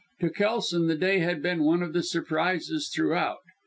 To Kelson the day had been one of surprises throughout.